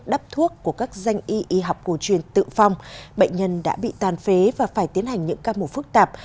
đắp thuốc của các danh y y học cổ truyền tự phong bệnh nhân đã bị tàn phế và phải tiến hành những ca mổ phức tạp